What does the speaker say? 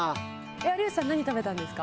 有吉さん何食べたんですか？